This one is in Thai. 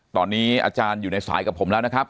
ตอนนี้อาจารย์อยู่ในสายกับผมแล้วนะครับ